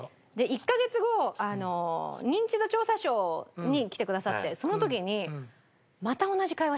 １カ月後『ニンチド調査ショー』に来てくださってその時にまた同じ会話したんですよ。